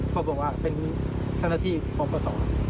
เขาบอกว่าเป็นเจ้าหน้าที่ของปศ